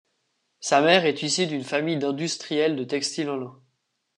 Sa mère est issue d'une famille d'industriels de textile en lin.